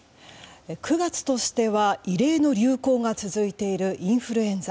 ９月としては異例の流行が続いているインフルエンザ。